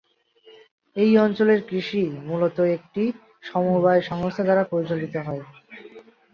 এই অঞ্চলের কৃষি মূলত একটি সমবায় সংস্থা দ্বারা পরিচালিত হয়।